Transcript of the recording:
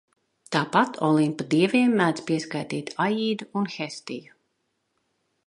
Tāpat Olimpa dieviem mēdz pieskaitīt Aīdu un Hestiju.